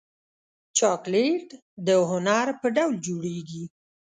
چاکلېټ د هنر په ډول جوړېږي.